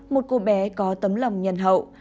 một cô bé có tấm lòng nhân hậu